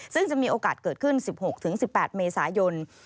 ซึ่งจะมีโอกาสเกิดขึ้น๑๖๑๘เมษายน